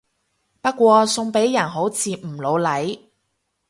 不過送俾人好似唔老嚟